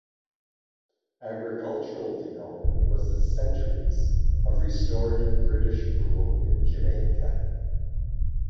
Agricultural development was the centrepiece of restored British rule in Jamaica.